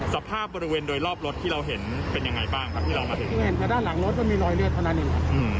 สภาพบริเวณโดยรอบรถของที่เราเห็นเป็นอย่างไรบ้าง